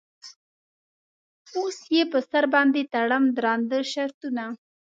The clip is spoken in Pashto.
اوس یې په سر باندې تړم درانده شرطونه.